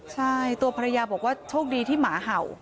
ใช่ตัวภรรยาบอกว่าโชคดีที่หมาเห่า